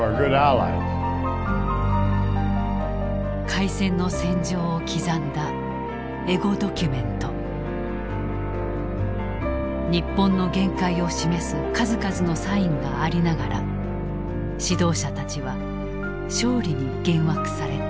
開戦の戦場を刻んだエゴドキュメント日本の限界を示す数々のサインがありながら指導者たちは勝利に幻惑された。